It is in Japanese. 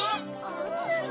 そうなの？